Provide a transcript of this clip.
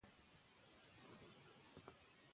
ترتیب کوونکی پوهیالی نیازی دی.